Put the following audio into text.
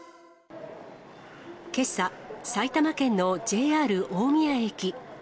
けさ、埼玉県のＪＲ大宮駅。